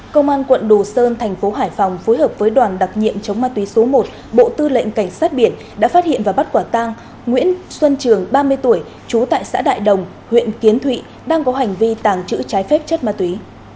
công an quận đồ sơn thành phố hải phòng phối hợp với đoàn đặc nhiệm chống ma túy số một bộ tư lệnh cảnh sát biển đã phát hiện và bắt quả tang nguyễn xuân trường ba mươi tuổi trú tại xã đại đồng huyện kiến thụy đang có hành vi tàng trữ trái phép chất ma túy